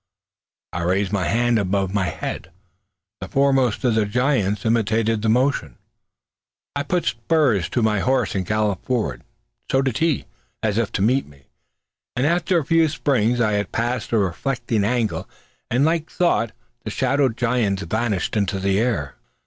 I raised my hand above my head. The foremost of the giants imitated the motion. I put spurs to my horse and galloped forward. So did he, as if to meet me. After a few springs I had passed the refracting angle, and, like a thought, the shadowy giants vanished into the air.